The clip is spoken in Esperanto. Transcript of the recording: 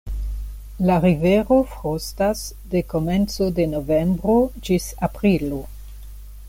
La rivero frostas de komenco de novembro ĝis aprilo.